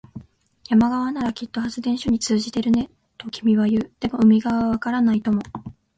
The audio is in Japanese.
山側ならきっと発電所に通じているね、と君は言う。でも、海側はわからないとも。